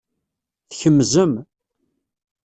Tkemzem.